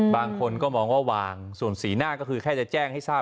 บางคนก็มองว่าวางส่วนสีหน้าก็คือแค่จะแจ้งให้ทราบ